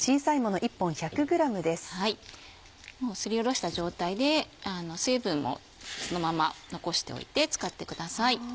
もうすりおろした状態で水分をそのまま残しておいて使ってください。